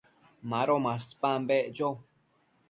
Mado maspan beccho